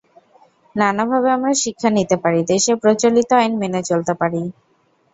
নানাভাবে আমরা শিক্ষা নিতে পারি, দেশে প্রচলিত আইন মেনে চলতে পারি।